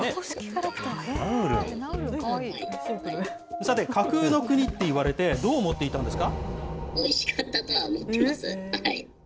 さて、架空の国って言われて、どう思っていたんですか。